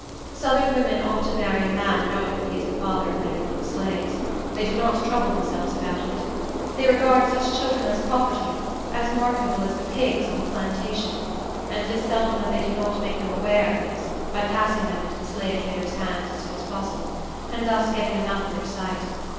Southern women often marry a man knowing that he is the father of many little slaves. They do not trouble themselves about it. They regard such children as property, as marketable as the pigs on the plantation; and it is seldom that they do not make them aware of this by passing them into the slave trader's hands as soon as possible, and thus getting them out of their sight.